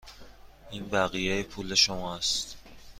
این بقیه پول شما است.